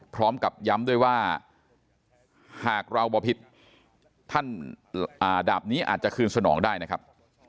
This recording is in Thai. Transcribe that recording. พร้อมกับย้ำด้วยว่าหากเราบ่อพิษท่านดาบนี้อาจจะคืนสนองได้นะครับ